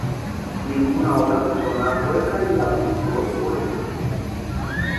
Ninguna otra persona fue traída a juicio por el hecho.